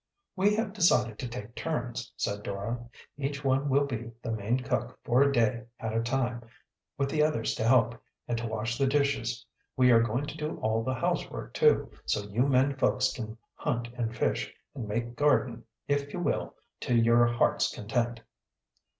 "We have decided to take turns," said Dora. "Each one will be the main cook for a day at a time, with the others to help, and to wash the dishes. We are going to do all the housework, too, so you men folks can hunt and fish, and make garden if you will, to your hearts' content."